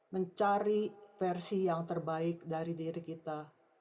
mencari versi yang terbaik dari diri kita